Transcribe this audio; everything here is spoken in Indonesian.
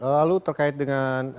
lalu terkait dengan